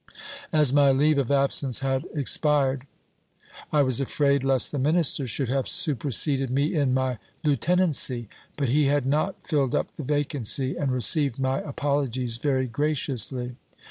As my leave of absence had expired, I was afraid lest the minister should have superseded me in my lieutenancy ; but he had not filled up the vacancy, and received my apologies very graciously.